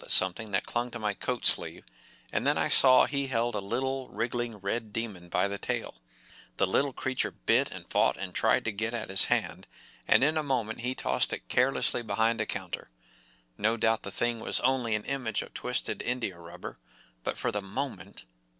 I felt him pull at something that clung to my coat sleeve, and then I saw he held a little, wriggling red demon by the tail—the little creature bit and fought and tried to get at his hand—and in a moment he tossed it carelessly behind a counter. No doubt the thing was only an image of twisted india rubber, but for the moment